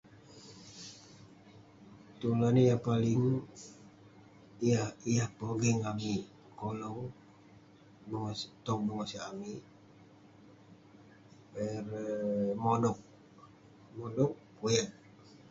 Tulan yah paling- yah yah pogeng amik kolong, bengo- tong bengosak amik ; erei modog, kuyat.